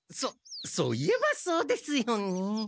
そそういえばそうですよね。